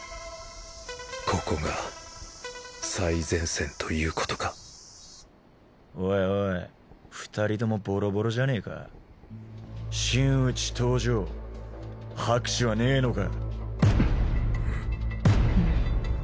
ここが最前線ということかおいおい二人ともボロボロじゃねえか真打ち登場拍手はねえのか？